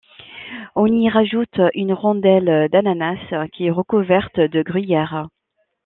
On y rajoute une rondelle d'ananas qui est recouverte de gruyère.